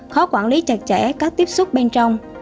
khó quản lý chặt chẽ các tiếp xúc bên trong